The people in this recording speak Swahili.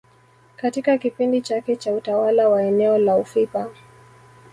Katika kipindi chake cha utawala wa eneo la ufipa